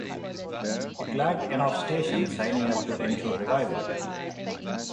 It lacked enough stations signing up to ensure revival.